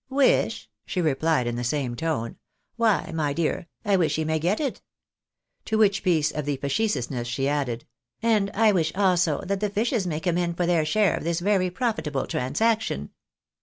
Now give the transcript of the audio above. "" Wish? " she replied in the same tone, " why, my dear, I wish he may get it." To which piece of facetiousness she added, " and I wish, also, that the fishes may come in for their shaiia of this very profitable transaction."